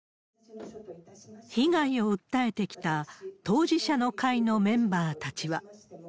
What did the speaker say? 被害を訴えてきた、当事者の会のメンバーたちは。